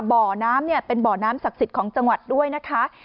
บ่อน้ำเนี่ยเป็นบ่อน้ำศักดิ์สิทธิ์ของจังหวัดด้วยนะคะ